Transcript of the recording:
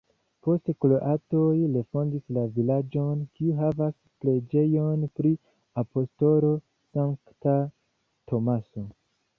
Poste kroatoj refondis la vilaĝon, kiu havas preĝejon pri apostolo Sankta Tomaso.